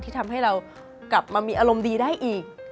ทำให้เรากลับมามีอารมณ์ดีได้อีก